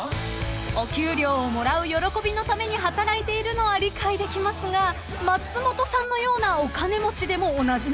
［お給料をもらう喜びのために働いているのは理解できますが松本さんのようなお金持ちでも同じなんですか？］